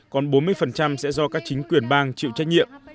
còn bốn mươi sẽ do các chính quyền bang chịu trách nhiệm